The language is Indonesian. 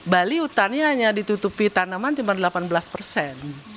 bali hutannya hanya ditutupi tanaman cuma delapan belas persen